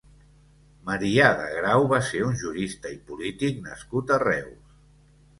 Marià de Grau va ser un jurista i polític nascut a Reus.